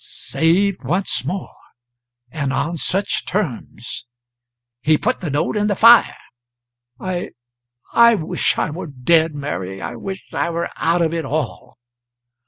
'" "Saved, once more. And on such terms!" He put the note in the lire. "I I wish I were dead, Mary, I wish I were out of it all!"